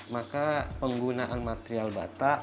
maka penggunaan material bata